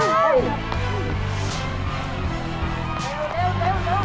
เร็วเร็วเร็วเร็วเร็ว